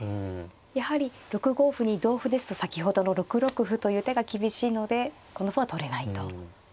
やはり６五歩に同歩ですと先ほどの６六歩という手が厳しいのでこの歩は取れないと。